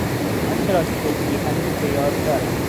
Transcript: آنچه را که گفتی هنوز به یاد دارم.